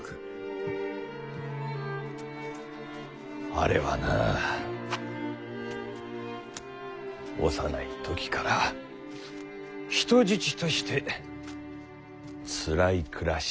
あれはなぁ幼い時から人質としてつらい暮らしを強いられてきた。